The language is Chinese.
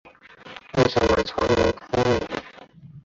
为什么愁眉苦脸？